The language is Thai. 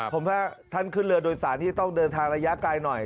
ผมถ้าท่านขึ้นเรือโดยสารที่จะต้องเดินทางระยะไกลหน่อย